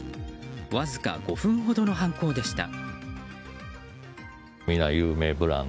わずか５分ほどの犯行でした。